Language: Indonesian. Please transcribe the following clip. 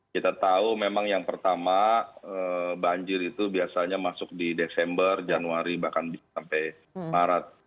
kita tahu memang yang pertama banjir itu biasanya masuk di desember januari bahkan sampai maret